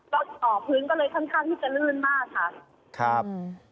วันต่อพื้นก็ค่อนข้างที่จะเรื่องมากครับ